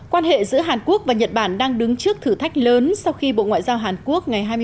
quan hệ giữa hàn quốc và nhật bản đang đứng trước thử thách lớn sau khi bộ ngoại giao hàn quốc ngày